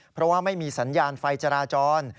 เพราะว่าไม่มีสัญญาณไฟจราจร